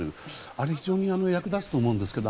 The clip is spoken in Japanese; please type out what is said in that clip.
あれ、非常に役立つと思うんですけど。